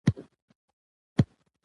ازادي راډیو د ټولنیز بدلون پرمختګ سنجولی.